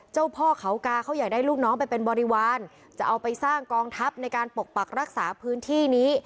เจ้าพ่อเขากาเขาอยากได้ลูกน้องไปเป็นบริวารจะเอาไปสร้างกองทัพในการปกปักรักษาพื้นที่นี้